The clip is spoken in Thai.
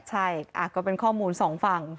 ใช่ก็เป็นข้อมูลสองฝั่ง